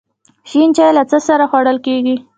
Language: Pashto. شین چای له څه سره خوړل کیږي؟